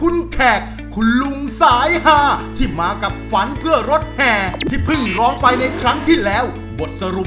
วันนี้มากับใครบ้างครับ